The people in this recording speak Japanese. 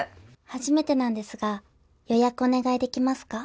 初めてなんですが予約お願い出来ますか？